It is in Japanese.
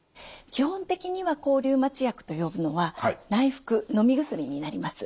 基本的には抗リウマチ薬と呼ぶのは内服のみ薬になります。